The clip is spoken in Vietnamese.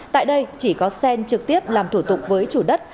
tại đây chỉ có sen trực tiếp làm thủ tục với chủ đất